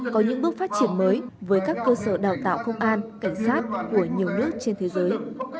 có những bước phát triển mới với các cơ sở đào tạo công an cảnh sát của nhiều nước trên thế giới